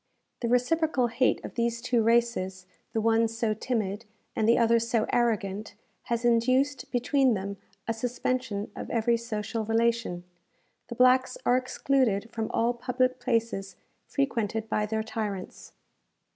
The reciprocal hate of these two races, the one so timid, and the other so arrogant, has induced between them a suspension of every social relation. The blacks are excluded from all public places frequented by their tyrants.